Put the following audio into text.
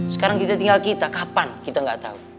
sekarang kita tinggal kita kapan kita nggak tahu